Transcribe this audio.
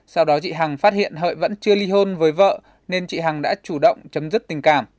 sau đó chị hằng phát hiện hợi vẫn chưa ly hôn với vợ nên chị hằng đã chủ động chấm dứt tình cảm